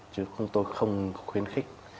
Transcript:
chứ tôi không khuyên khích